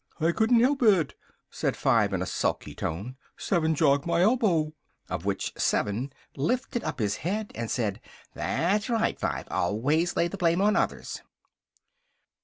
"I couldn't help it," said Five in a sulky tone, "Seven jogged my elbow." On which Seven lifted up his head and said "that's right, Five! Always lay the blame on others!"